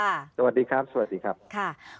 สวัสดีครับ